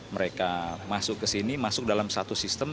mereka masuk ke sini masuk dalam satu sistem